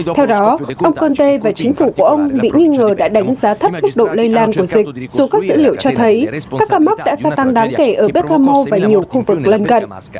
theo đó ông conte và chính phủ của ông bị nghi ngờ đã đánh giá thấp mức độ lây lan của dịch dù các dữ liệu cho thấy các ca mắc đã gia tăng đáng kể ở becamo và nhiều khu vực lân cận